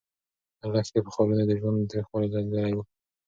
لښتې په خالونو د ژوند تریخوالی لیدلی و.